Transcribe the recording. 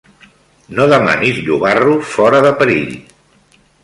No demanis llobarro fora de perill.